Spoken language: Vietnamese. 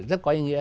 rất có ý nghĩa